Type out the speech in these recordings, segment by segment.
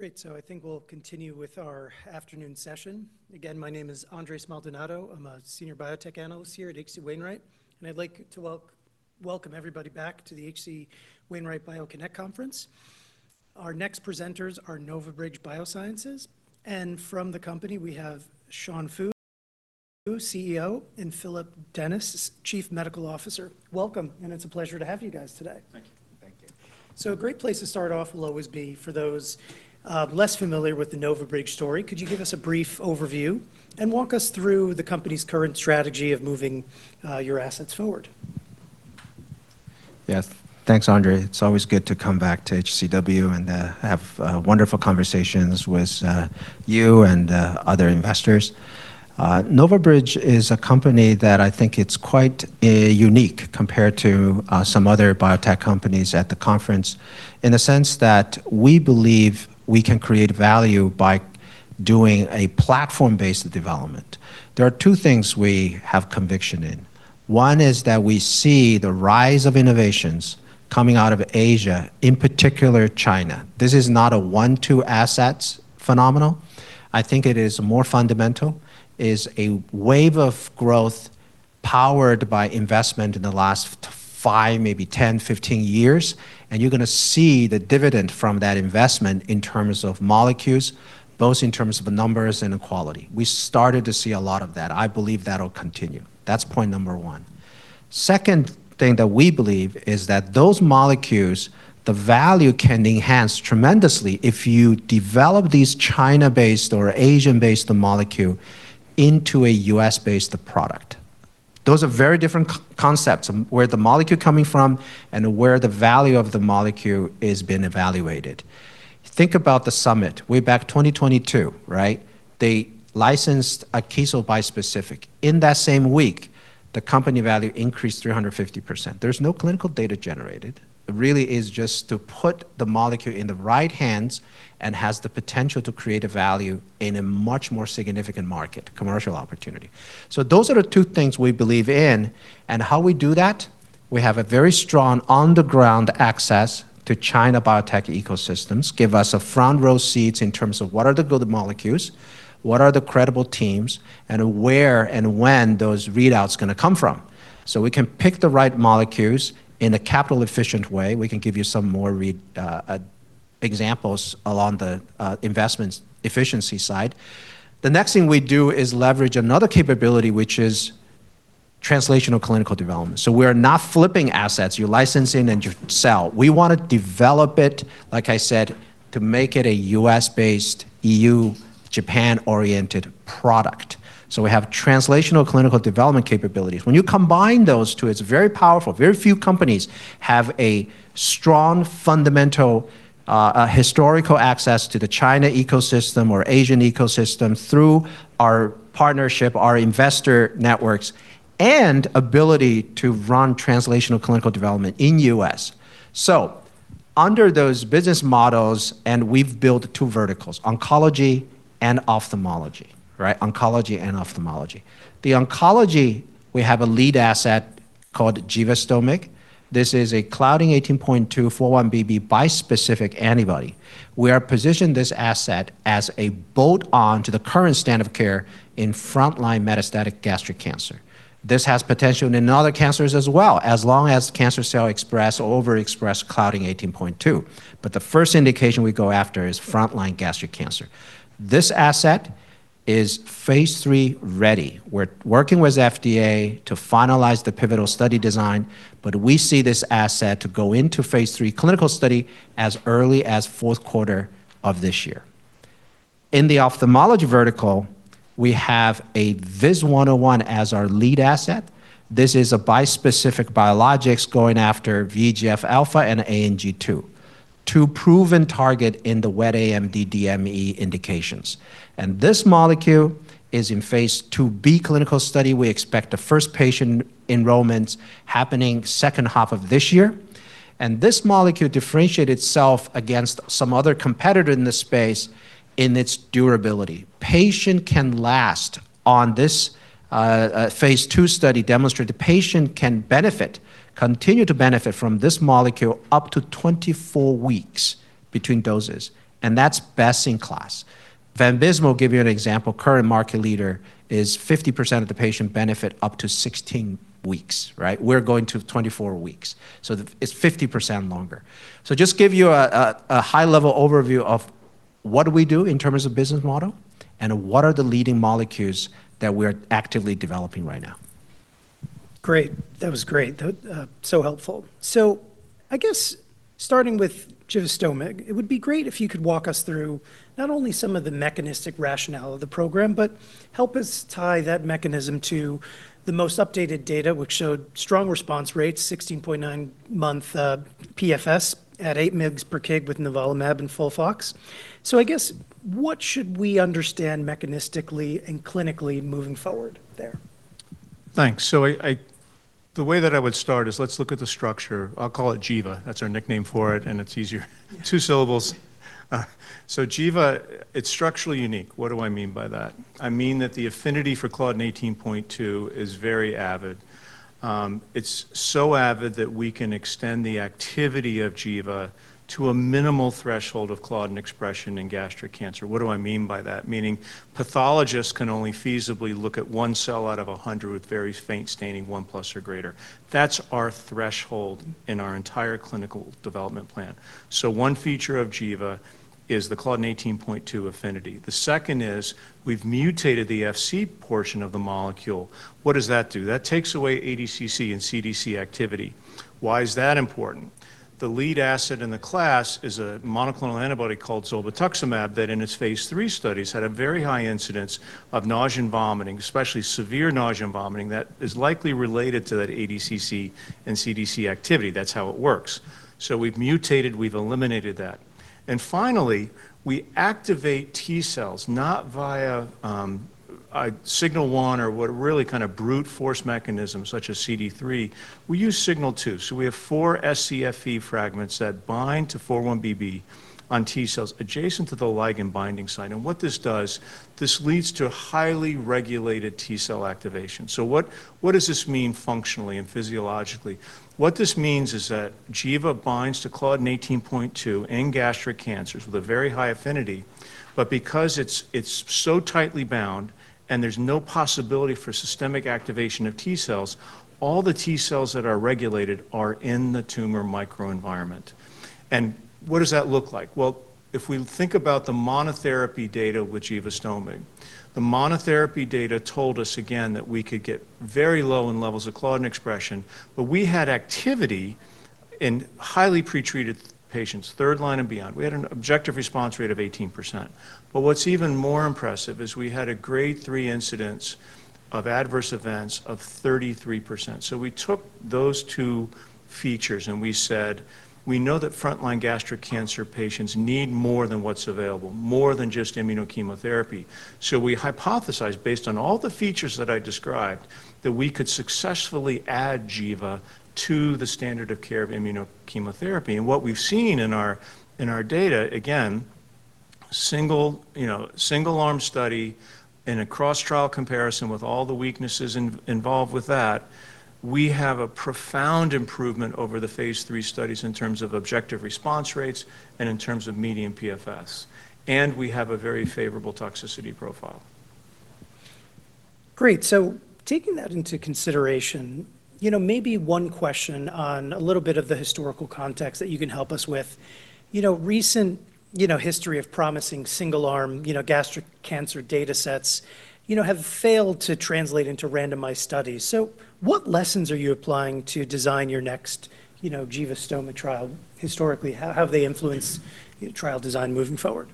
Great. I think we'll continue with our afternoon session. Again, my name is Andres Y. Maldonado. I'm a Senior Biotech Analyst here at H.C. Wainwright & Co., and I'd like to welcome everybody back to the H.C. Wainwright BioConnect Conference. Our next presenters are NovaBridge Biosciences, and from the company, we have Sean Fu, CEO, and Phillip Dennis, Chief Medical Officer. Welcome. It's a pleasure to have you guys today. Thank you. Thank you. A great place to start off will always be for those, less familiar with the NovaBridge story, could you give us a brief overview and walk us through the company's current strategy of moving your assets forward? Yeah. Thanks, Andres Maldonado. It's always good to come back to HCW and have wonderful conversations with you and other investors. NovaBridge is a company that I think it's quite unique compared to some other biotech companies at the conference in the sense that we believe we can create value by doing a platform-based development. There are three things we have conviction in. One is that we see the rise of innovations coming out of Asia, in particular China. This is not a one, two assets phenomenon. I think it is more fundamental. It is a wave of growth powered by investment in the last five, maybe 10, 15 years, you're going to see the dividend from that investment in terms of molecules, both in terms of numbers and in quality. We started to see a lot of that. I believe that'll continue. That's point number one. Second thing that we believe is that those molecules, the value can enhance tremendously if you develop these China-based or Asian-based molecule into a U.S.-based product. Those are very different concepts, where the molecule coming from and where the value of the molecule is being evaluated. Think about the Summit Therapeutics way back 2022, right? They licensed a cadonilimab bispecific. In that same week, the company value increased 350%. There's no clinical data generated. It really is just to put the molecule in the right hands and has the potential to create a value in a much more significant market, commercial opportunity. Those are the two things we believe in and how we do that, we have a very strong on-the-ground access to China biotech ecosystems, give us a front row seats in terms of what are the good molecules, what are the credible teams, and where and when those readouts are going to come from. We can pick the right molecules in a capital-efficient way. We can give you some more examples along the investments efficiency side. The next thing we do is leverage another capability which is translational clinical development. We're not flipping assets, you're licensing and you sell. We want to develop it, like I said, to make it a U.S.-based, EU, Japan-oriented product. We have translational clinical development capabilities. When you combine those two, it's very powerful. Very few companies have a strong fundamental historical access to the China ecosystem or Asian ecosystem through our partnership, our investor networks, and ability to run translational clinical development in U.S. Under those business models, and we've built two verticals, oncology and ophthalmology. Right? Oncology and ophthalmology. The oncology, we have a lead asset called givastomig. This is a claudin 18.2 4-1BB bispecific antibody. We are positioned this asset as a bolt on to the current standard of care in frontline metastatic gastric cancer. This has potential in other cancers as well, as long as cancer cell express or overexpress claudin 18.2. The first indication we go after is frontline gastric cancer. This asset is phase III-ready. We're working with FDA to finalize the pivotal study design. We see this asset to go into phase III clinical study as early as 4th quarter of this year. In the ophthalmology vertical, we have VIS-101 as our lead asset. This is a bispecific biologics going after VEGF-A and Ang-2, two proven targets in the wet AMD DME indications. This molecule is in phase II-B clinical study. We expect the first patient enrollments happening 2nd half of this year. This molecule differentiate itself against some other competitor in this space in its durability. Patient can last on this phase II study demonstrate the patient can continue to benefit from this molecule up to 24 weeks between doses. That's best in class. Vabysmo, give you an example, current market leader is 50% of the patient benefit up to 16 weeks, right? We're going to 24 weeks. It's 50% longer. Just give you a high-level overview of what do we do in terms of business model, and what are the leading molecules that we're actively developing right now. Great. That was great. That, so helpful. I guess starting with givastomig, it would be great if you could walk us through not only some of the mechanistic rationale of the program, but help us tie that mechanism to the most updated data, which showed strong response rates, 16.9 month PFS at 8 mgs per kg with nivolumab and FOLFOX. I guess what should we understand mechanistically and clinically moving forward there? Thanks. I, the way that I would start is let's look at the structure. I'll call it Jiva. That's our nickname for it, and it's easier. two syllables. Jiva, it's structurally unique. What do I mean by that? I mean that the affinity for claudin 18.2 is very avid. It's so avid that we can extend the activity of Jiva to a minimal threshold of claudin expression in gastric cancer. What do I mean by that? Meaning pathologists can only feasibly look at one cell out of 100 with very faint staining, 1+ or greater. That's our threshold in our entire clinical development plan. one feature of Jiva is the claudin 18.2 affinity. The second is we've mutated the Fc portion of the molecule. What does that do? That takes away ADCC and CDC activity. Why is that important? The lead asset in the class is a monoclonal antibody called zolbetuximab that in its phase III studies had a very high incidence of nausea and vomiting, especially severe nausea and vomiting that is likely related to that ADCC and CDC activity. That's how it works. We've mutated, we've eliminated that. Finally, we activate T cells not via a signal 1 or what really kind of brute force mechanism such as CD3, we use signal two. We have 4 scFv fragments that bind to 4-1BB on T cells adjacent to the ligand binding site. What this does, this leads to highly regulated T cell activation. What does this mean functionally and physiologically? What this means is that givastomig binds to claudin 18.2 in gastric cancers with a very high affinity. Because it's so tightly bound and there's no possibility for systemic activation of T cells, all the T cells that are regulated are in the tumor microenvironment. What does that look like? If we think about the monotherapy data with givastomig, the monotherapy data told us again that we could get very low in levels of claudin 18.2 expression, but we had activity in highly pretreated patients, third line and beyond. We had an objective response rate of 18%. What's even more impressive is we had a grade 3 incidence of adverse events of 33%. We took those two features, and we said, "We know that frontline gastric cancer patients need more than what's available, more than just IO chemo." We hypothesized based on all the features that I described, that we could successfully add Jiva to the standard of care of IO chemo. What we've seen in our data, again, you know, single-arm study in a cross-trial comparison with all the weaknesses involved with that, we have a profound improvement over the phase III studies in terms of objective response rates and in terms of median PFS. We have a very favorable toxicity profile. Great. Taking that into consideration, you know, maybe one question on a little bit of the historical context that you can help us with. You know, recent, you know, history of promising single-arm, you know, gastric cancer datasets, you know, have failed to translate into randomized studies. What lessons are you applying to design your next, you know, givastomig trial? Historically, how have they influenced trial design moving forward?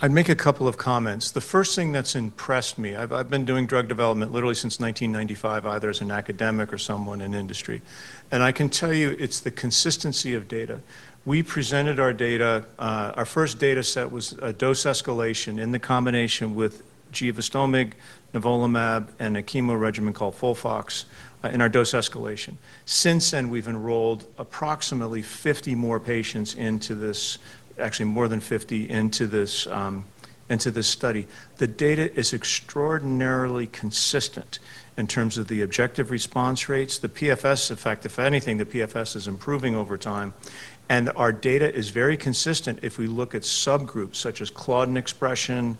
I'd make a couple of comments. The first thing that's impressed me, I've been doing drug development literally since 1995, either as an academic or someone in industry. I can tell you it's the consistency of data. We presented our data, our first dataset was a dose escalation in the combination with givastomig, nivolumab, and a chemo regimen called FOLFOX, in our dose escalation. Since then, we've enrolled approximately 50 more patients, actually more than 50 into this study. The data is extraordinarily consistent in terms of the objective response rates. The PFS effect, if anything, the PFS is improving over time, our data is very consistent if we look at subgroups such as claudin expression,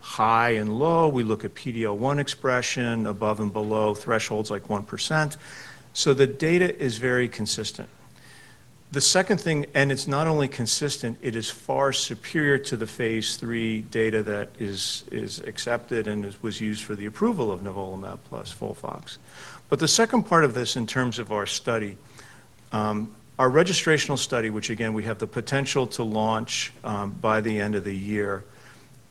high and low, we look at PD-L1 expression above and below thresholds like 1%. The data is very consistent. The second thing, it's not only consistent, it is far superior to the phase III data that is accepted and was used for the approval of nivolumab plus FOLFOX. The second part of this in terms of our study, our registrational study, which again we have the potential to launch by the end of the year,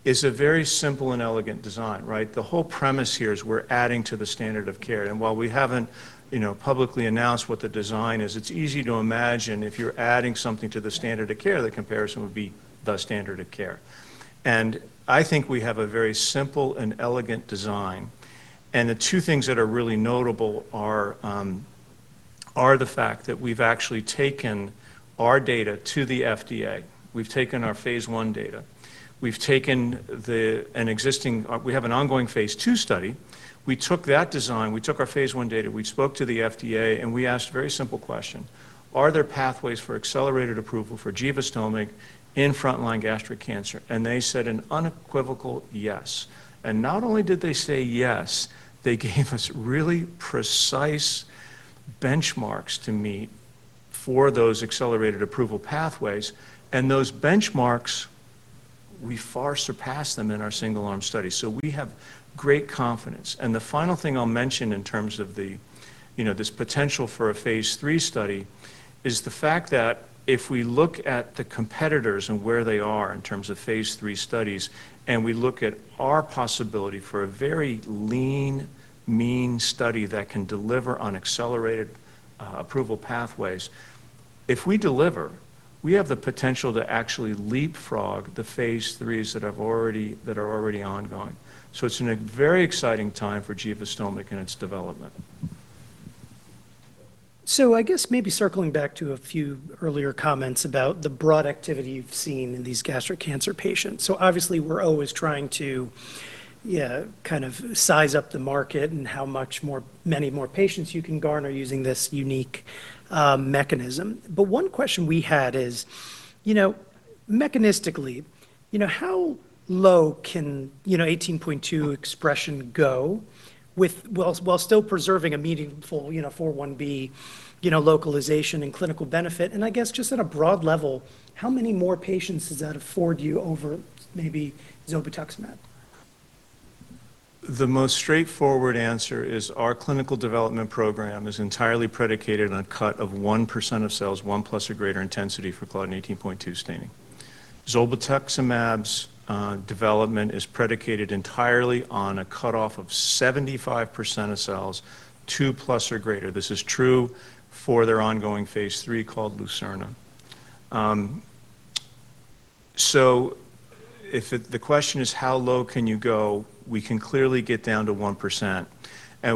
is a very simple and elegant design, right? The whole premise here is we're adding to the standard of care. While we haven't, you know, publicly announced what the design is, it's easy to imagine if you're adding something to the standard of care, the comparison would be the standard of care. I think we have a very simple and elegant design. The two things that are really notable are the fact that we've actually taken our data to the FDA. We've taken our phase I data. We have an ongoing phase II study. We took that design, we took our phase I data, we spoke to the FDA, we asked a very simple question, "Are there pathways for accelerated approval for givastomig in frontline gastric cancer?" They said an unequivocal yes. Not only did they say yes, they gave us really precise benchmarks to meet for those accelerated approval pathways, and those benchmarks, we far surpassed them in our single-arm study. We have great confidence. The final thing I'll mention in terms of the, you know, this potential for a phase III study is the fact that if we look at the competitors and where they are in terms of phase III studies, we look at our possibility for a very lean, mean study that can deliver on accelerated approval pathways. If we deliver, we have the potential to actually leapfrog the phase IIIs that are already ongoing. It's in a very exciting time for givastomig and its development. I guess maybe circling back to a few earlier comments about the broad activity you've seen in these gastric cancer patients. Obviously, we're always trying to, yeah, kind of size up the market and how many more patients you can garner using this unique mechanism. One question we had is, you know, mechanistically, you know, how low can, you know, 18.2 expression go while still preserving a meaningful, you know, 4-1BB, you know, localization and clinical benefit? I guess just at a broad level, how many more patients does that afford you over maybe zolbetuximab? The most straightforward answer is our clinical development program is entirely predicated on a cut of 1% of cells, 1+ or greater intensity for claudin 18.2 staining. Zolbetuximab's development is predicated entirely on a cutoff of 75% of cells, 2+ or greater. This is true for their ongoing phase III called LUCERNA. If the question is how low can you go, we can clearly get down to 1%.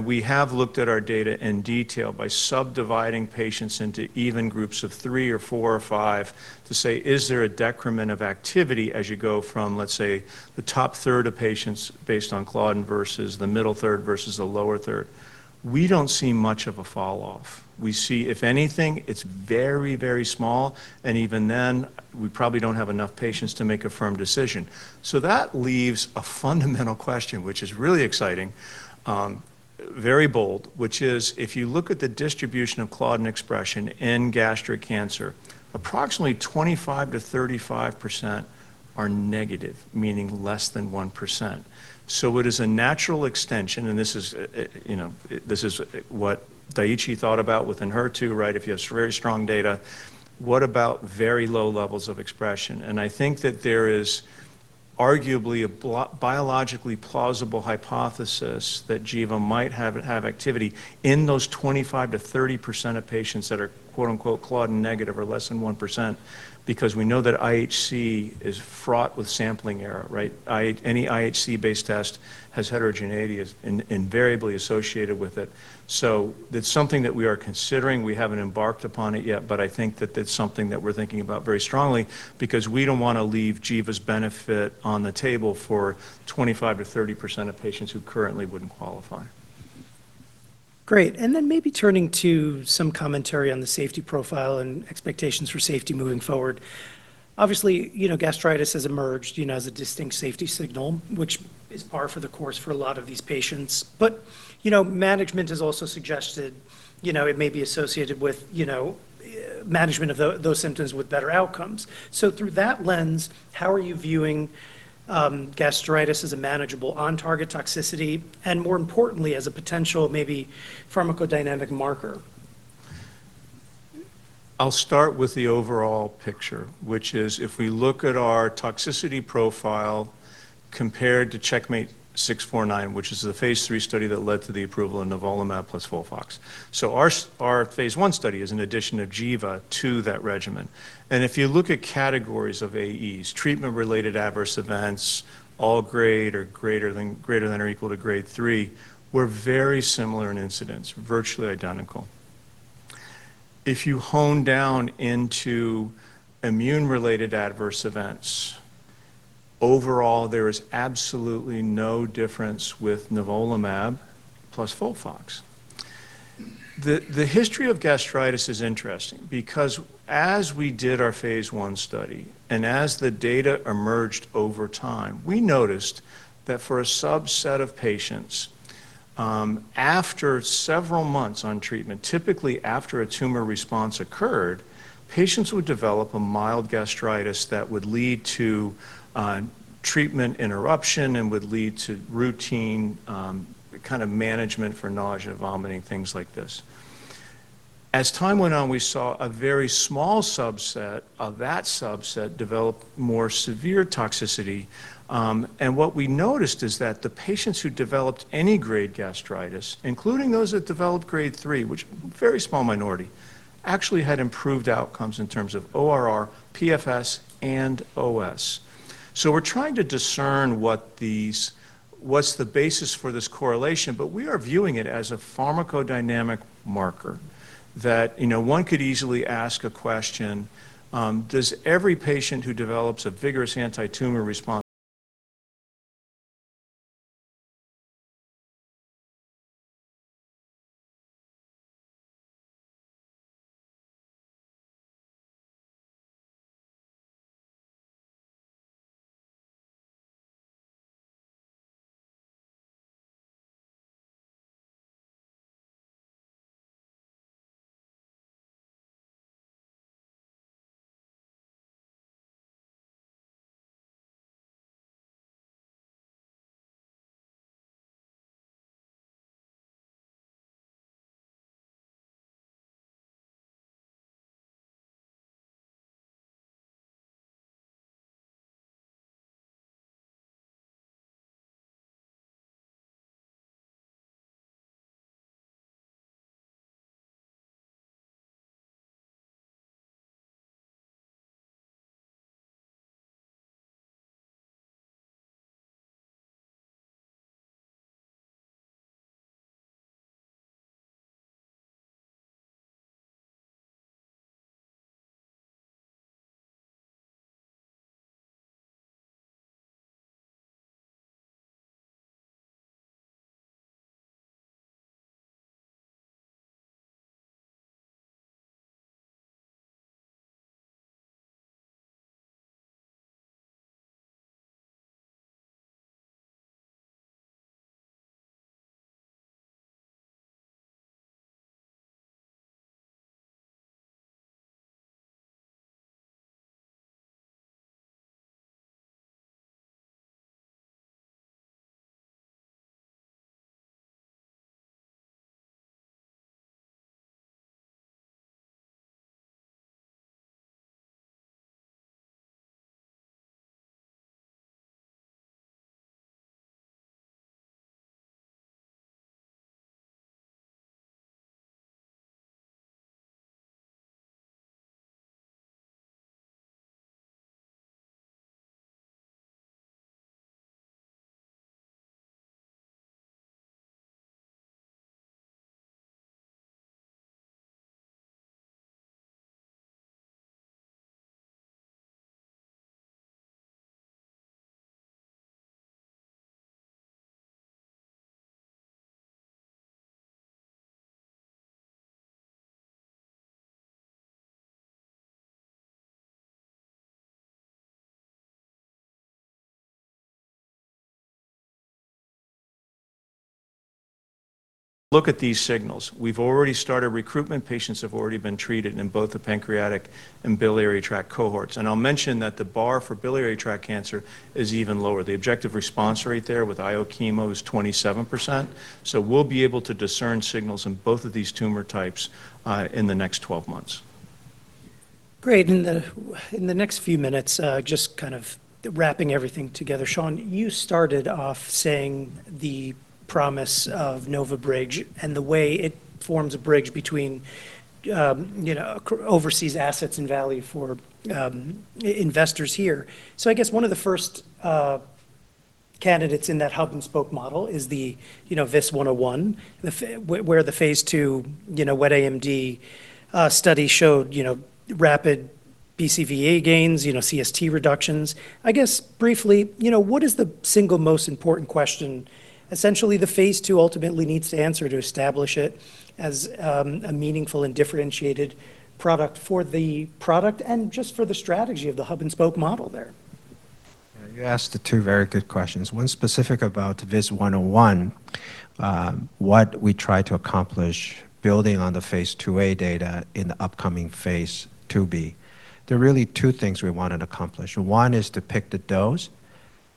We have looked at our data in detail by subdividing patients into even groups of 3 or 4 or 5 to say, "Is there a decrement of activity as you go from, let's say, the top third of patients based on claudin versus the middle third versus the lower third?" We don't see much of a fall off. We see, if anything, it's very, very small, and even then, we probably don't have enough patients to make a firm decision. That leaves a fundamental question, which is really exciting, very bold, which is, if you look at the distribution of claudin expression in gastric cancer, approximately 25%-35% are negative, meaning less than 1%. It is a natural extension, and this is, you know, this is what Daiichi thought about with Enhertu, right? If you have very strong data, what about very low levels of expression? I think that there is arguably a biologically plausible hypothesis that givastomig might have activity in those 25%-30% of patients that are, "claudin negative" or less than 1%, because we know that IHC is fraught with sampling error, right? Any IHC-based test has heterogeneity invariably associated with it. It's something that we are considering. We haven't embarked upon it yet, I think that that's something that we're thinking about very strongly because we don't wanna leave givastomig's benefit on the table for 25%-30% of patients who currently wouldn't qualify. Great. Maybe turning to some commentary on the safety profile and expectations for safety moving forward. Obviously, you know, gastritis has emerged, you know, as a distinct safety signal, which is par for the course for a lot of these patients. You know, management has also suggested, you know, it may be associated with, you know, management of those symptoms with better outcomes. Through that lens, how are you viewing gastritis as a manageable on-target toxicity, and more importantly, as a potential maybe pharmacodynamic marker? I'll start with the overall picture, which is if we look at our toxicity profile compared to CheckMate 649, which is the phase III study that led to the approval of nivolumab plus FOLFOX. Our phase I study is an addition of givastomig to that regimen. If you look at categories of AEs, treatment-related adverse events, all grade or greater than or equal to grade 3, we're very similar in incidence, virtually identical. If you hone down into immune-related adverse events, overall, there is absolutely no difference with nivolumab plus FOLFOX. The history of gastritis is interesting because as we did our phase I study and as the data emerged over time, we noticed that for a subset of patients, after several months on treatment, typically after a tumor response occurred, patients would develop a mild gastritis that would lead to treatment interruption and would lead to routine kind of management for nausea, vomiting, things like this. As time went on, we saw a very small subset of that subset develop more severe toxicity. What we noticed is that the patients who developed any grade gastritis, including those that developed grade 3, which very small minority, actually had improved outcomes in terms of ORR, PFS, and OS. We're trying to discern what's the basis for this correlation, but we are viewing it as a pharmacodynamic marker that, you know, one could easily ask a question, does every patient who develops a vigorous anti-tumor response? Look at these signals. We've already started recruitment, patients have already been treated in both the pancreatic and biliary tract cohorts. I'll mention that the bar for biliary tract cancer is even lower. The objective response rate there with IO chemo is 27%, we'll be able to discern signals in both of these tumor types in the next 12 months. Great. In the next few minutes, just kind of wrapping everything together, Sean, you started off saying the promise of NovaBridge and the way it forms a bridge between, you know, overseas assets and value for investors here. I guess one of the first candidates in that hub and spoke model is the, you know, VIS-101, where the phase II, you know, wet AMD study showed, you know, rapid BCVA gains, you know, CST reductions. I guess briefly, you know, what is the single most important question essentially the phase II ultimately needs to answer to establish it as a meaningful and differentiated product for the product and just for the strategy of the hub and spoke model there? Yeah. You asked two very good questions. One specific about VIS-101, what we try to accomplish building on the phase II-A data in the upcoming phase II-B. There are really two things we want to accomplish, one is to pick the dose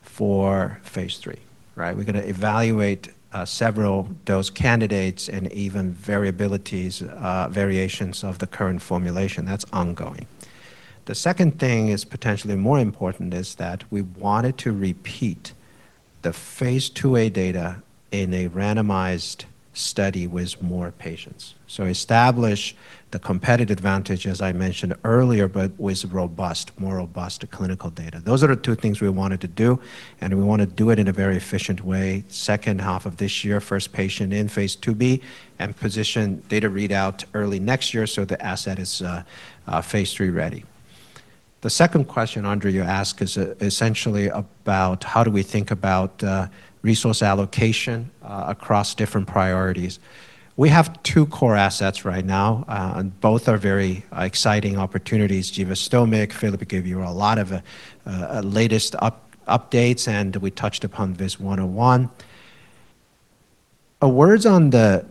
for phase III, right? We're gonna evaluate several dose candidates and even variabilities, variations of the current formulation. That's ongoing. The second thing is potentially more important is that we wanted to repeat the phase II-A data in a randomized study with more patients. Establish the competitive advantage, as I mentioned earlier, with more robust clinical data. Those are the two things we wanted to do, we want to do it in a very efficient way. Second half of this year, first patient in phase II-B, Position data readout early next year, so the asset is phase III-ready. The second question, Andres Maldonado, you ask is essentially about how do we think about resource allocation across different priorities. We have 2 core assets right now, and both are very exciting opportunities. givastomig, Phillip Dennis gave you a lot of latest updates, and we touched upon VIS-101. A words on the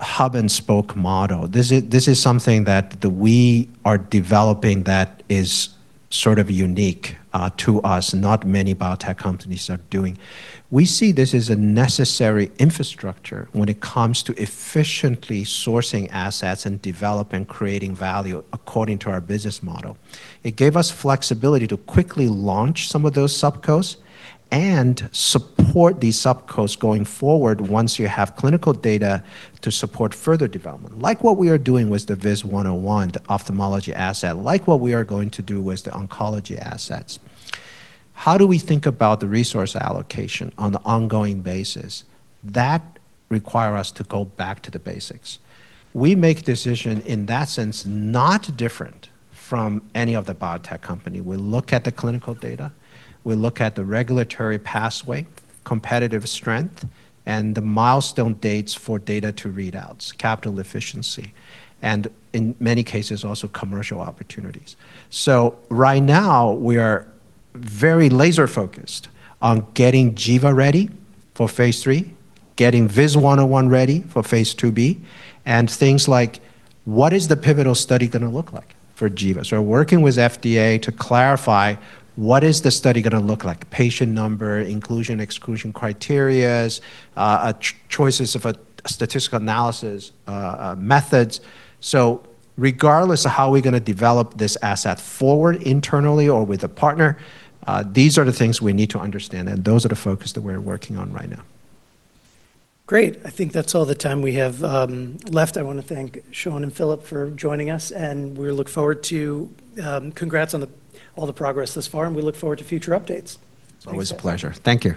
hub and spoke model. This is something that we are developing that is sort of unique to us, not many biotech companies are doing. We see this as a necessary infrastructure when it comes to efficiently sourcing assets and developing and creating value according to our business model. It gave us flexibility to quickly launch some of those SubCos and support these SubCos going forward once you have clinical data to support further development, like what we are doing with the VIS-101, the ophthalmology asset, like what we are going to do with the oncology assets. How do we think about the resource allocation on the ongoing basis? That require us to go back to the basics. We make decision in that sense, not different from any other biotech company. We look at the clinical data, we look at the regulatory pathway, competitive strength, and the milestone dates for data to readouts, capital efficiency, and in many cases also commercial opportunities. Right now we are very laser-focused on getting givastomig ready for phase III, getting VIS-101 ready for phase II-B, and things like what is the pivotal study gonna look like for givastomig? Working with FDA to clarify what is the study gonna look like, patient number, inclusion, exclusion criteria, choices of a statistical analysis methods. Regardless of how we're gonna develop this asset forward internally or with a partner, these are the things we need to understand, and those are the focus that we're working on right now. Great. I think that's all the time we have left. I wanna thank Sean and Phillip for joining us, and we look forward to congrats on all the progress thus far, and we look forward to future updates. It's always a pleasure. Thank you